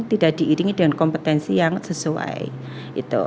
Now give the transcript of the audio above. tidak diiringi dengan kompetensi yang sesuai gitu